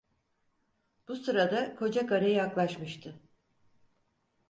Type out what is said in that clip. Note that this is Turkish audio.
Bu sırada kocakarı yaklaşmıştı.